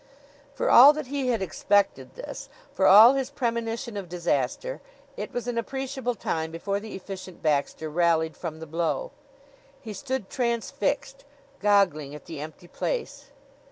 For all that he had expected this, for all his premonition of disaster, it was an appreciable time before the Efficient Baxter rallied from the blow. He stood transfixed, goggling at the empty place.